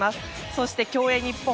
そして、競泳日本